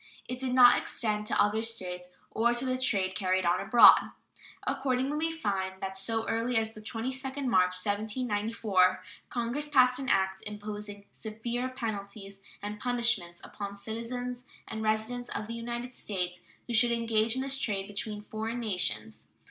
It did not extend to other States or to the trade carried on abroad. Accordingly, we find that so early as the 22d March, 1794, Congress passed an act imposing severe penalties and punishments upon citizens and residents of the United States who should engage in this trade between foreign nations.